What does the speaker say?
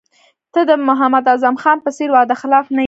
ته د محمد اعظم خان په څېر وعده خلاف نه یې.